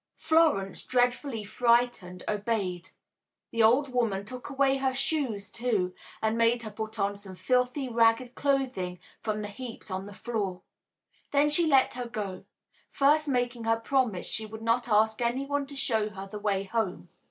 Florence, dreadfully frightened, obeyed. The old woman took away her shoes, too, and made her put on some filthy ragged clothing from the heaps on the floor. Then she let her go, first making her promise she would not ask any one to show her the way home.